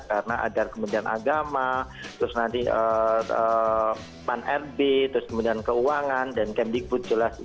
karena ada kemudian agama terus nanti pan rb terus kemudian keuangan dan kemudian kemudian kebudayaan